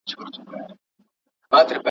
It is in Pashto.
خپلې خاطرې په یو کتاب کې ولیکه.